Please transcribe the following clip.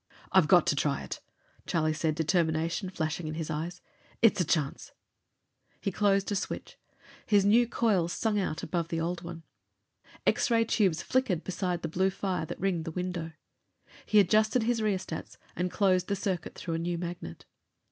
"I've got to try it!" Charlie said, determination flashing in his eyes. "It's a chance!" He closed a switch. His new coils sung out above the old one. X ray tubes flickered beside the blue fire that ringed the window. He adjusted his rheostats and closed the circuit through the new magnet.